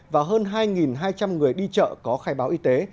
và hơn hai hai trăm linh người đi chợ có khai báo y tế